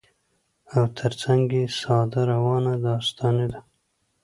او تر څنګ يې ساده، روانه داستاني ده